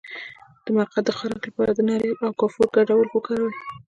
د مقعد د خارښ لپاره د ناریل او کافور ګډول وکاروئ